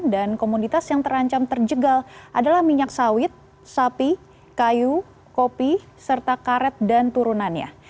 dan komoditas yang terancam terjegal adalah minyak sawit sapi kayu kopi serta karet dan turunannya